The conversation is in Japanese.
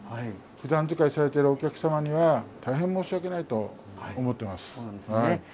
ふだん使いされているお客様には大変申し訳ないと思ってます。